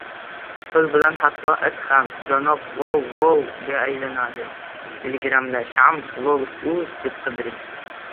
• Pul bilan hatto it ham “janob Vov-vov”ga aylanadi.